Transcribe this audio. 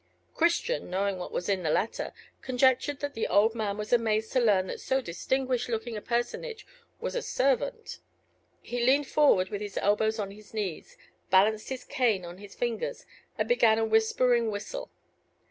Christian, knowing what was in the letter, conjectured that the old man was amazed to learn that so distinguished looking a personage was a servant; he leaned forward with his elbows on his knees, balanced his cane on his fingers, and began a whispering whistle.